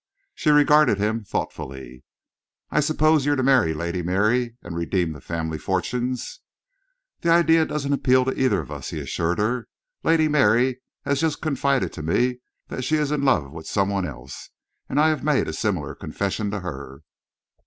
She regarded him thoughtfully. "I suppose you're to marry Lady Mary and redeem the family fortunes!" "The idea doesn't appeal to either of us," he assured her. "Lady Mary has just confided to me that she is in love with some one else, and I have made a similar confession to her."